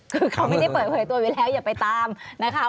คือเขาไม่ได้เปิดเผยตัวไว้แล้วอย่าไปตามนะคะ